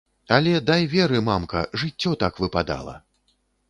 Але дай веры, мамка, жыццё так выпадала.